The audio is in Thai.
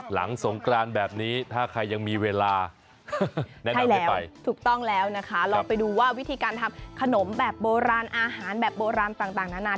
หลังสงกรานแบบนี้ถ้าใครยังมีเวลาแน่นอนถูกต้องแล้วนะคะลองไปดูว่าวิธีการทำขนมแบบโบราณอาหารแบบโบราณต่างนานา